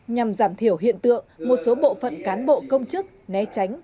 nhằm giảm thiểu hiện tượng một số bộ phận cán bộ công chức né tránh